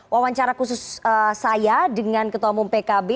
wawancara khusus saya dengan ketua umum pkb